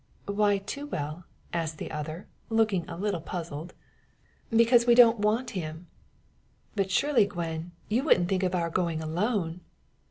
"Why too well?" asks the other, looking a little puzzled. "Because we don't want him." "But surely, Gwen, you wouldn't think of our going alone."